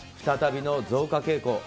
再びの増加傾向。